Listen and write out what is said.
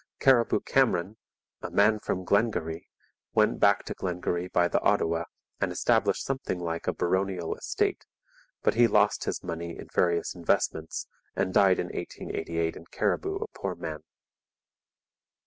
Cariboo Cameron, a 'man from Glengarry,' went back to Glengarry by the Ottawa and established something like a baronial estate; but he lost his money in various investments and died in 1888 in Cariboo a poor man.